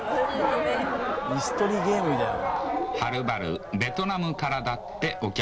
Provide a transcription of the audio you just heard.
椅子取りゲームみたいな。